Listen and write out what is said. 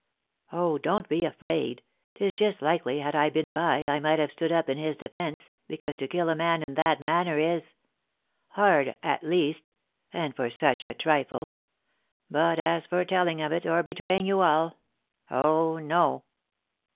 "Oh, don't be afraid; 'tis just likely, had I been by, I might have stood up in his defence, because to kill a man in that manner is hard at least and for such a trifle! But as for telling of it, or betraying you all oh, no!"